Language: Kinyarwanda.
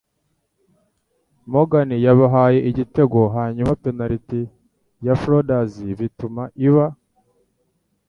Morgan yabahaye igitego hanyuma penalti ya Flounders bituma iba -